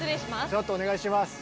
ちょっとお願いします。